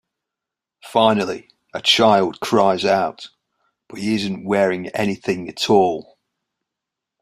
Finally, a child cries out, But he isn't wearing anything at all!